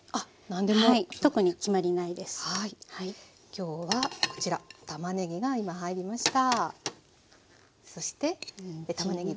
今日はこちらたまねぎが今入りました。